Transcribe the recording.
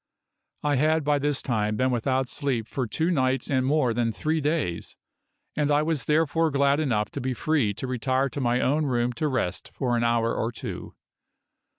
I had by this time been without sleep for two nights and more than three days, and I was therefore glad enough to be free to retire to my own room to rest for an hour or two.